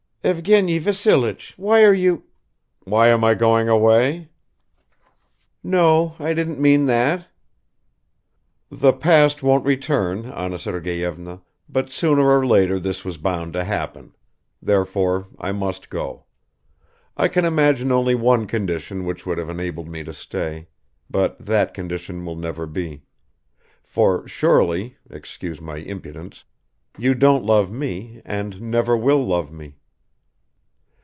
"Evgeny Vassilich, why are you ..." "Why am I going away?" "No, I didn't mean that." "The past won't return, Anna Sergeyevna, but sooner or later this was bound to happen. Therefore I must go. I can imagine only one condition which would have enabled me to stay: but that condition will never be. For surely excuse my impudence you don't love me and never will love me?"